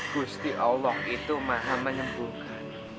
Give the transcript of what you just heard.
gusti allah itu maha menyembuhkan